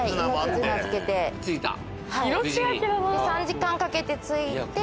３時間かけて着いて。